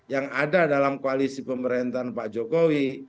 yang ada dalam koalisi pemerintahan pak jokowi